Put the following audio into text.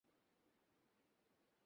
ওকে যেতে দাও।